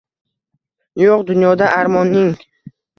Yo’q dunyoda armoning.